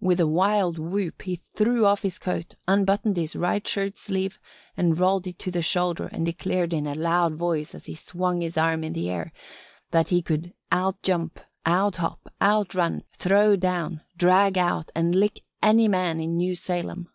With a wild whoop he threw off his coat, unbuttoned his right shirtsleeve and rolled it to the shoulder and declared in a loud voice, as he swung his arm in the air, that he could "outjump, outhop, outrun, throw down, drag out an' lick any man in New Salem."